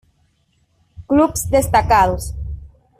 Clubs destacados